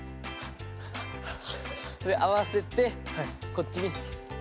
で合わせてこっちに。